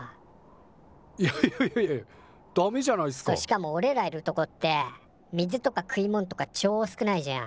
しかもおれらいるとこって水とか食いもんとかちょ少ないじゃん。